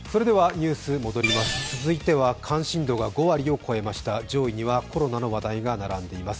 続いては関心度が５割を超えました、上位にはコロナの話題が並んでいます。